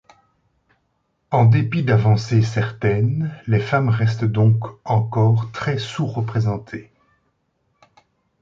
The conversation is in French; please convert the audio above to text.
En dépit d'avancées certaines, les femmes restent donc encore très sous-représentées.